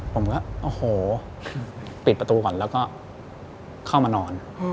ผมก็โอ้โหปิดประตูก่อนแล้วก็เข้ามานอน